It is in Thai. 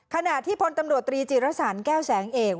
ขณะที่พลตำรวจตรีจิรสันแก้วแสงเอก